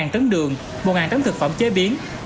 hai tấn đường một tấn thực phẩm chế biến